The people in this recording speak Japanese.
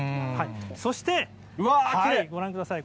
そして、ご覧ください。